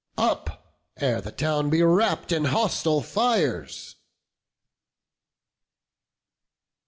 Up, ere the town be wrapp'd in hostile fires."